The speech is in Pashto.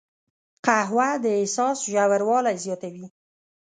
قهوه د احساس ژوروالی زیاتوي